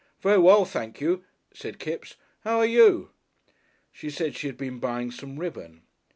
"Very well, thank you," said Kipps; "how are you?" She said she had been buying some ribbon.